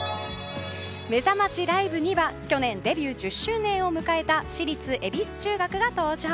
めざましライブには去年デビュー１０周年を迎えた私立恵比寿中学が登場。